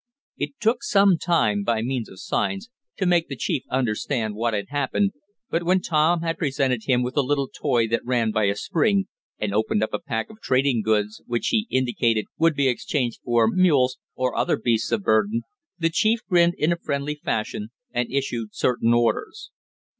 It took some time, by means of signs, to make the chief understand what had happened, but, when Tom had presented him with a little toy that ran by a spring, and opened up a pack of trading goods, which he indicated would be exchanged for mules, or other beasts of burden, the chief grinned in a friendly fashion, and issued certain orders.